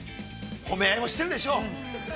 褒め合いをしてるでしょう。